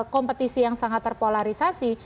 kompetisi yang sangat terpolarisasi